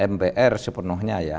mpr sepenuhnya ya